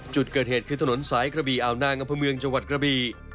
จุดเกิดเหตุคือถนนสายกระบีอาวนางอำเภอเมืองจังหวัดกระบี